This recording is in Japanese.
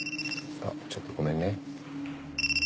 あっちょっとごめんね。